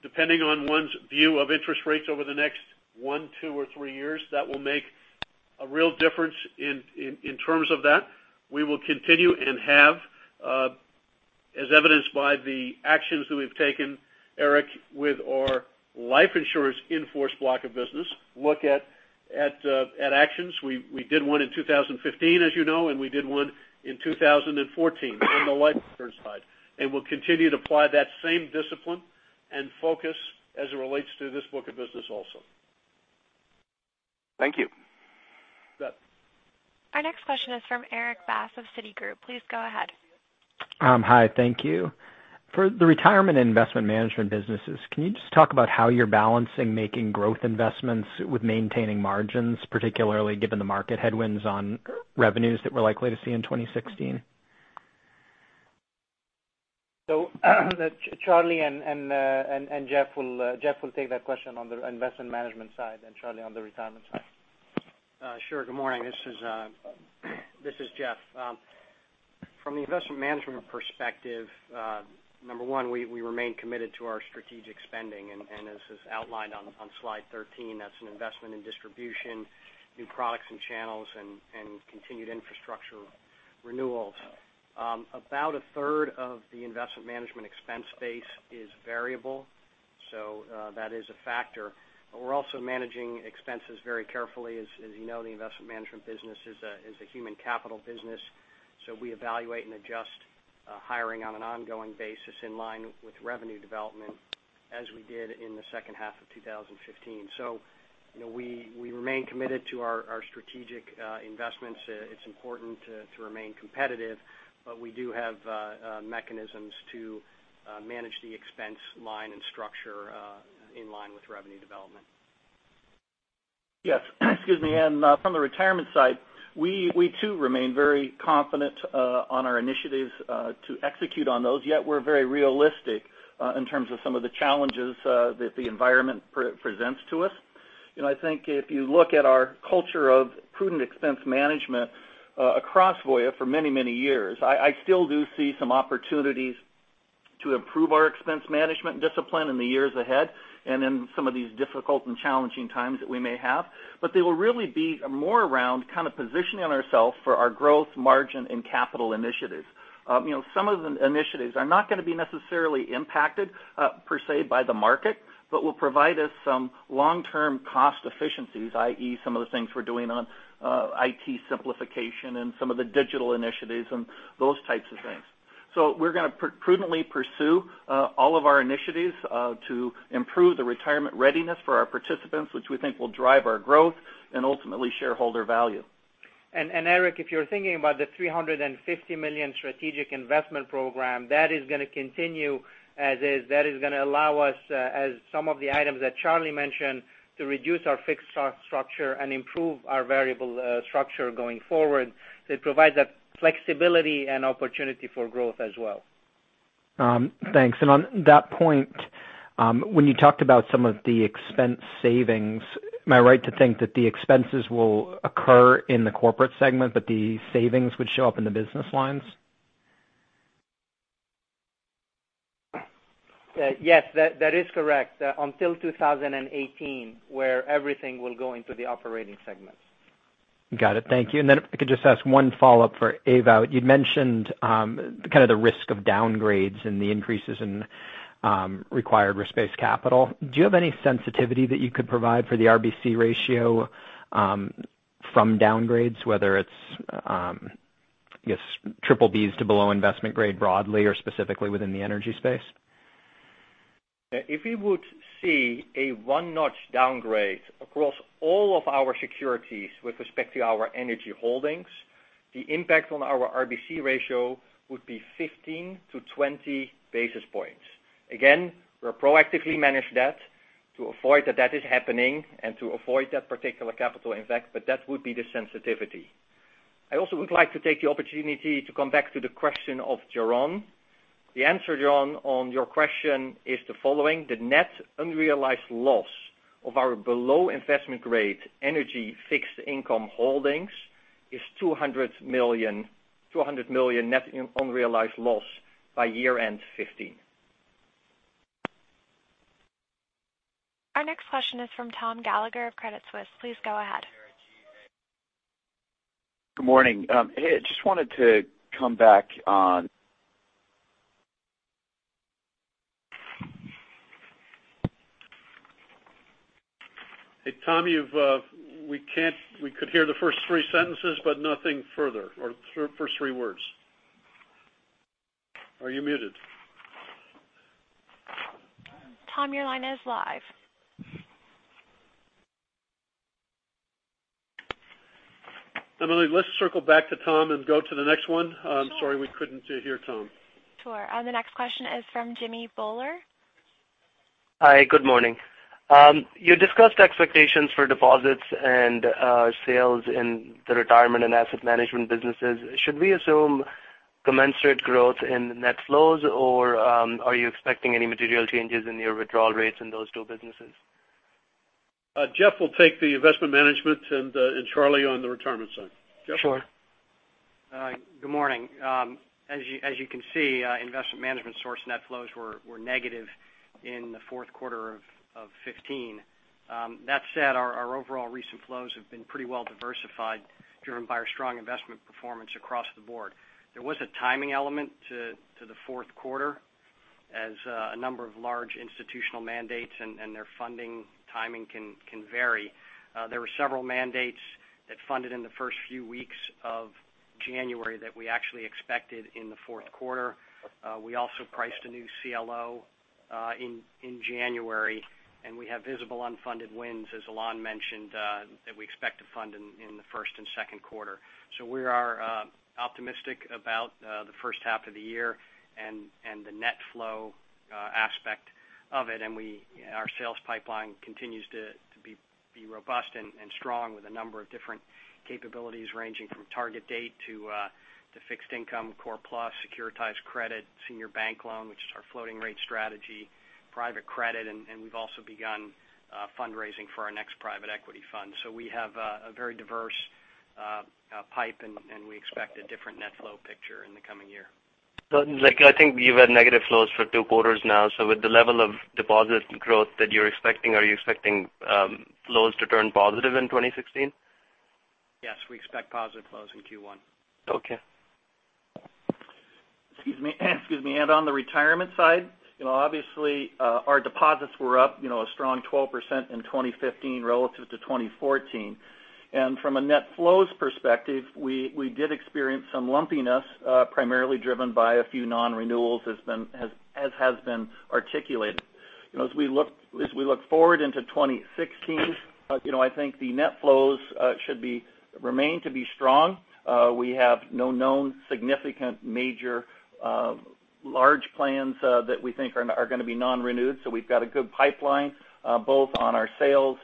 Depending on one's view of interest rates over the next one, two, or three years, that will make a real difference in terms of that. We will continue and have, as evidenced by the actions that we've taken, Eric, with our life insurance in-force block of business, look at actions. We did one in 2015, as you know, and we did one in 2014 on the life insurance side. We'll continue to apply that same discipline and focus as it relates to this book of business also. Thank you. Beth. Our next question is from Erik Bass of Citigroup. Please go ahead. Hi, thank you. For the retirement investment management businesses, can you just talk about how you're balancing making growth investments with maintaining margins, particularly given the market headwinds on revenues that we're likely to see in 2016? Charlie and Jeff will take that question on the investment management side and Charlie on the retirement side. Sure. Good morning. This is Jeff. From the investment management perspective, number one, we remain committed to our strategic spending, and as is outlined on slide 13, that's an investment in distribution, new products and channels, and continued infrastructure renewals. About a third of the investment management expense base is variable. That is a factor. We're also managing expenses very carefully. As you know, the investment management business is a human capital business. We evaluate and adjust hiring on an ongoing basis in line with revenue development as we did in the second half of 2015. We remain committed to our strategic investments. It's important to remain competitive, but we do have mechanisms to manage the expense line and structure in line with revenue development. Yes. Excuse me. From the retirement side, we too remain very confident on our initiatives to execute on those. Yet we're very realistic in terms of some of the challenges that the environment presents to us. I think if you look at our culture of prudent expense management across Voya for many, many years, I still do see some opportunities to improve our expense management discipline in the years ahead and in some of these difficult and challenging times that we may have. They will really be more around kind of positioning ourselves for our growth margin and capital initiatives. Some of the initiatives are not going to be necessarily impacted, per se, by the market, but will provide us some long-term cost efficiencies, i.e., some of the things we're doing on IT simplification and some of the digital initiatives and those types of things. We're going to prudently pursue all of our initiatives to improve the retirement readiness for our participants, which we think will drive our growth and ultimately shareholder value. Eric, if you're thinking about the $350 million strategic investment program, that is going to continue as is. That is going to allow us, as some of the items that Charlie mentioned, to reduce our fixed cost structure and improve our variable structure going forward. It provides that flexibility and opportunity for growth as well. Thanks. On that point, when you talked about some of the expense savings, am I right to think that the expenses will occur in the corporate segment, but the savings would show up in the business lines? Yes, that is correct. Until 2018, where everything will go into the operating segments. Got it. Thank you. Then if I could just ask one follow-up for Ewout. You'd mentioned the risk of downgrades and the increases in required risk-based capital. Do you have any sensitivity that you could provide for the RBC ratio from downgrades, whether it's BBBs to below investment grade broadly or specifically within the energy space? If we would see a one-notch downgrade across all of our securities with respect to our energy holdings, the impact on our RBC ratio would be 15-20 basis points. Again, we'll proactively manage that to avoid that is happening, and to avoid that particular capital impact, but that would be the sensitivity. I also would like to take the opportunity to come back to the question of Yaron. The answer, Yaron, on your question is the following: the net unrealized loss of our below investment grade energy fixed income holdings is $200 million net unrealized loss by year-end 2015. Our next question is from Tom Gallagher of Credit Suisse. Please go ahead. Good morning. Hey, I just wanted to come back on- Hey, Tom, we could hear the first three sentences but nothing further, or first three words. Are you muted? Tom, your line is live. Emily, let's circle back to Tom and go to the next one. Sure. I'm sorry we couldn't hear Tom. Sure. The next question is from Jimmy Bhullar. Hi, good morning. You discussed expectations for deposits and sales in the Retirement and Asset Management businesses. Should we assume commensurate growth in net flows, or are you expecting any material changes in your withdrawal rates in those two businesses? Jeff will take the Investment Management and Charlie on the Retirement side. Jeff? Sure. Good morning. As you can see, Investment Management source net flows were negative in the fourth quarter of 2015. That said, our overall recent flows have been pretty well diversified, driven by our strong investment performance across the board. There was a timing element to the fourth quarter as a number of large institutional mandates and their funding timing can vary. There were several mandates that funded in the first few weeks of January that we actually expected in the fourth quarter. We also priced a new CLO in January, and we have visible unfunded wins, as Alain mentioned, that we expect to fund in the first and second quarter. We are optimistic about the first half of the year and the net flow aspect of it. Our sales pipeline continues to be robust and strong with a number of different capabilities ranging from target date to fixed income, core plus, securitized credit, senior bank loan, which is our floating rate strategy, private credit, and we've also begun fundraising for our next private equity fund. We have a very diverse pipe, and we expect a different net flow picture in the coming year. I think you've had negative flows for two quarters now. With the level of deposit growth that you're expecting, are you expecting flows to turn positive in 2016? Yes, we expect positive flows in Q1. Okay. Excuse me. On the Retirement side, obviously, our deposits were up a strong 12% in 2015 relative to 2014. From a net flows perspective, we did experience some lumpiness, primarily driven by a few non-renewals, as has been articulated. As we look forward into 2016, I think the net flows should remain to be strong. We have no known significant major large plans that we think are going to be non-renewed. We've got a good pipeline both on our sales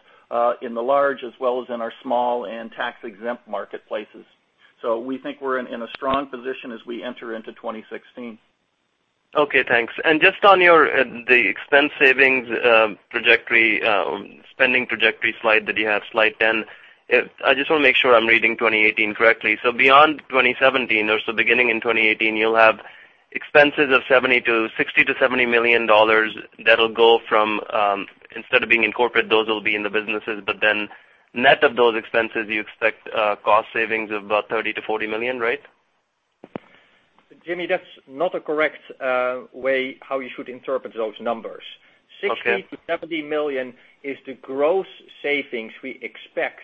in the large as well as in our small and tax-exempt marketplaces. We think we're in a strong position as we enter into 2016. Okay, thanks. Just on the expense savings trajectory, spending trajectory slide that you have, slide 10. I just want to make sure I'm reading 2018 correctly. Beyond 2017 or so beginning in 2018, you'll have expenses of $60 million-$70 million that'll go from, instead of being in corporate, those will be in the businesses. Net of those expenses, you expect cost savings of about $30 million-$40 million, right? Jimmy, that's not a correct way how you should interpret those numbers. Okay. $60 million-$70 million is the gross savings we expect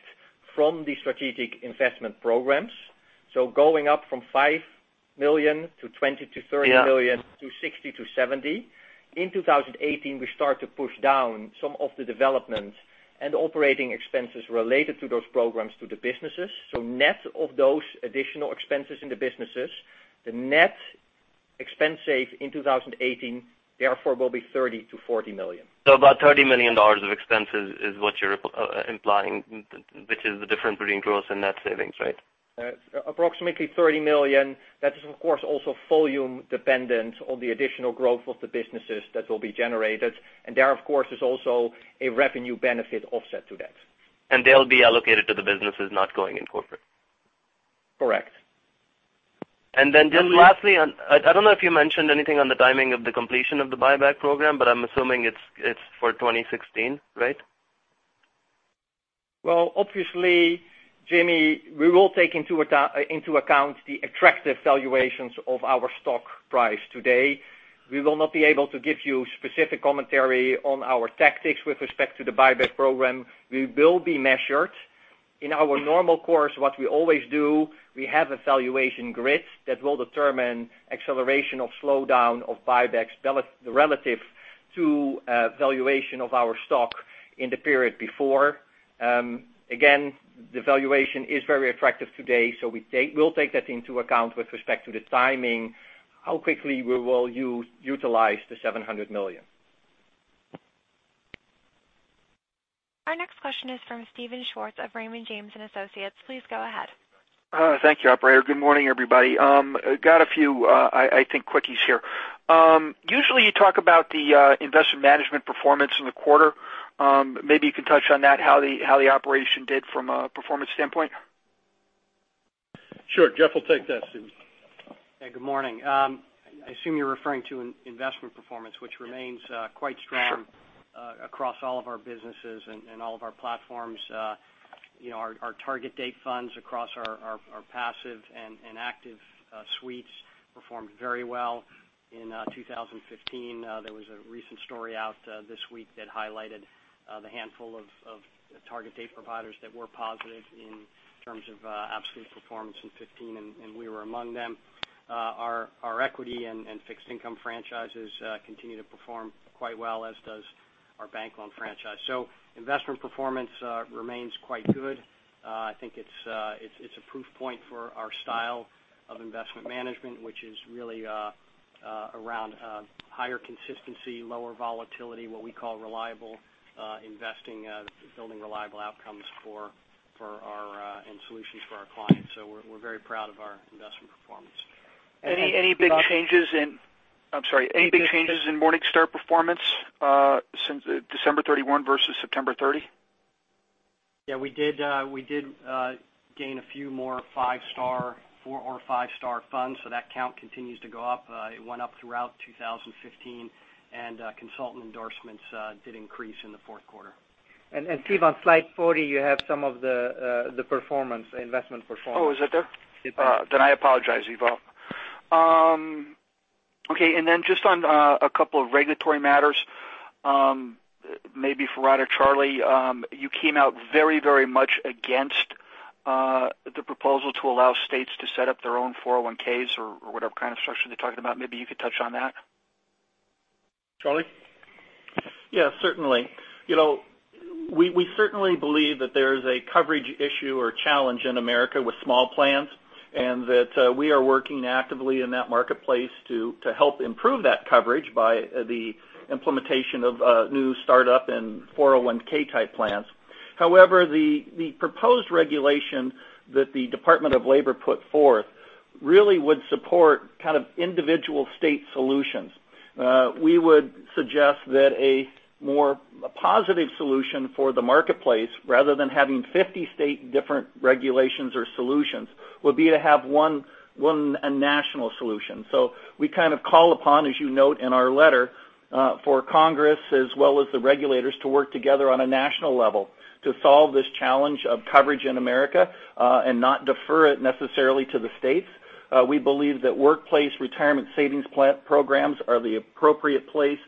from the strategic investment programs. Going up from $5 million to $20 million to $30 million to $60 million to $70 million. In 2018, we start to push down some of the development and operating expenses related to those programs to the businesses. Net of those additional expenses in the businesses, the net expense save in 2018, therefore, will be $30 million-$40 million. About $30 million of expenses is what you're implying, which is the difference between gross and net savings, right? Approximately $30 million. That is, of course, also volume dependent on the additional growth of the businesses that will be generated. There, of course, is also a revenue benefit offset to that. They'll be allocated to the businesses not going in corporate? Correct. Just lastly, I don't know if you mentioned anything on the timing of the completion of the buyback program, but I'm assuming it's for 2016, right? Well, obviously, Jimmy, we will take into account the attractive valuations of our stock price today. We will not be able to give you specific commentary on our tactics with respect to the buyback program. We will be measured. In our normal course, what we always do, we have a valuation grid that will determine acceleration of slowdown of buybacks relative to valuation of our stock in the period before. Again, the valuation is very attractive today, so we'll take that into account with respect to the timing, how quickly we will utilize the $700 million. Our next question is from Steven Schwartz of Raymond James & Associates. Please go ahead. Thank you, operator. Good morning, everybody. Got a few, I think, quickies here. Usually, you talk about the investment management performance in the quarter. Maybe you can touch on that, how the operation did from a performance standpoint. Sure. Jeff will take that, Steven. Hey, good morning. I assume you're referring to investment performance, which remains quite strong across all of our businesses and all of our platforms. Our target date funds across our passive and active suites performed very well in 2015. There was a recent story out this week that highlighted the handful of target date providers that were positive in terms of absolute performance in 2015, and we were among them. Our equity and fixed income franchises continue to perform quite well, as does our bank loan franchise. Investment performance remains quite good. I think it's a proof point for our style of investment management, which is really around higher consistency, lower volatility, what we call reliable investing, building reliable outcomes and solutions for our clients. We're very proud of our investment performance. Any big changes in Morningstar performance since December 31 versus September 30? Yeah, we did gain a few more four or five-star funds, so that count continues to go up. It went up throughout 2015, consultant endorsements did increase in the fourth quarter. Steve, on slide 40, you have some of the investment performance. Oh, is it there? Yes. I apologize, Ewout. Okay, just on a couple of regulatory matters, maybe for Rod or Charlie. You came out very much against the proposal to allow states to set up their own 401Ks or whatever kind of structure they're talking about. Maybe you could touch on that. Charlie? Certainly. We certainly believe that there is a coverage issue or challenge in America with small plans, and that we are working actively in that marketplace to help improve that coverage by the implementation of new startup and 401K type plans. However, the proposed regulation that the Department of Labor put forth really would support kind of individual state solutions. We would suggest that a more positive solution for the marketplace, rather than having 50 state different regulations or solutions, would be to have one national solution. We kind of call upon, as you note in our letter, for Congress as well as the regulators to work together on a national level to solve this challenge of coverage in America, and not defer it necessarily to the states. We believe that workplace retirement savings plan programs are the appropriate place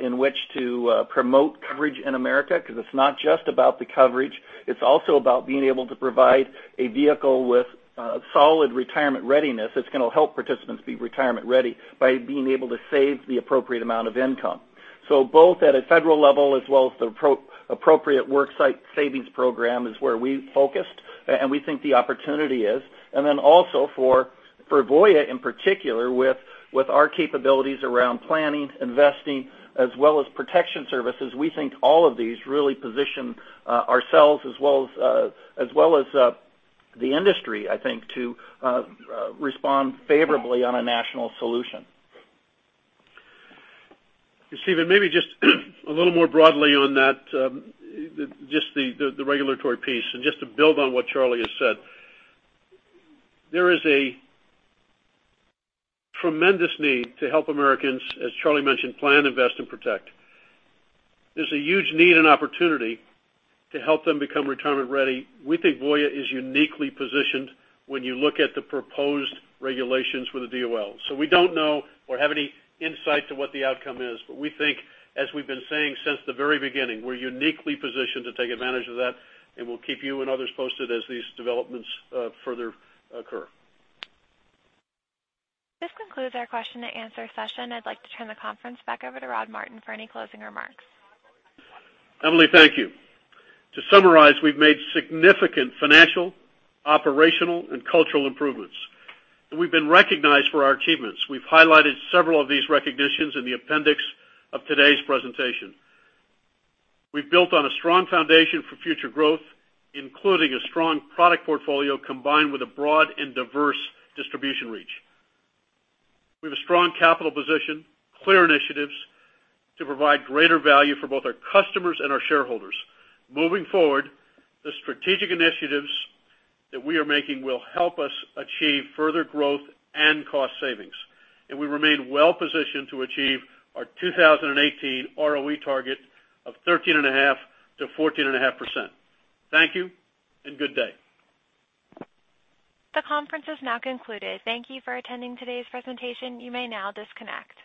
in which to promote coverage in America, because it's not just about the coverage, it's also about being able to provide a vehicle with solid retirement readiness that's going to help participants be retirement ready by being able to save the appropriate amount of income. Both at a federal level as well as the appropriate work site savings program is where we focused and we think the opportunity is. Also for Voya in particular, with our capabilities around planning, investing, as well as protection services, we think all of these really position ourselves as well as the industry, I think, to respond favorably on a national solution. Steven, maybe just a little more broadly on that, just the regulatory piece and just to build on what Charlie has said. There is a tremendous need to help Americans, as Charlie mentioned, plan, invest, and protect. There's a huge need and opportunity to help them become retirement ready. We think Voya is uniquely positioned when you look at the proposed regulations for the DOL. We don't know or have any insight to what the outcome is. We think, as we've been saying since the very beginning, we're uniquely positioned to take advantage of that, and we'll keep you and others posted as these developments further occur. This concludes our question and answer session. I'd like to turn the conference back over to Rod Martin for any closing remarks. Emily, thank you. To summarize, we've made significant financial, operational, and cultural improvements, and we've been recognized for our achievements. We've highlighted several of these recognitions in the appendix of today's presentation. We've built on a strong foundation for future growth, including a strong product portfolio combined with a broad and diverse distribution reach. We have a strong capital position, clear initiatives to provide greater value for both our customers and our shareholders. Moving forward, the strategic initiatives that we are making will help us achieve further growth and cost savings. We remain well positioned to achieve our 2018 ROE target of 13.5%-14.5%. Thank you and good day. The conference is now concluded. Thank you for attending today's presentation. You may now disconnect.